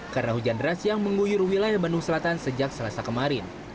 karena hujan deras yang mengguyur wilayah bandung selatan sejak selasa kemarin